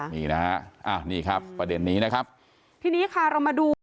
นี่นะครับประเด็นนี้นะครับ